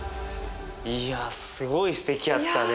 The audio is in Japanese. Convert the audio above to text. いやすごいすてきやったね